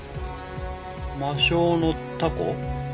魔性のタコ？